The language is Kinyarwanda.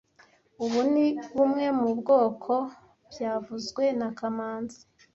Ubu ni bumwe mu bwoko byavuzwe na kamanzi